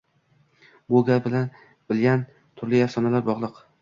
Bu gul bilan turli afsonalar bogliq.